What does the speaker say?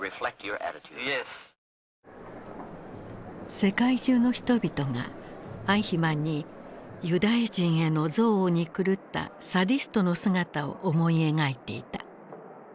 世界中の人々がアイヒマンにユダヤ人への憎悪に狂ったサディストの姿を思い描いていた。